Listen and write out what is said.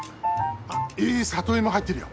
あっいいサトイモ入ってるよ。